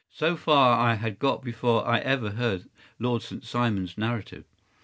So far I had got before I ever heard Lord St. Simon’s narrative.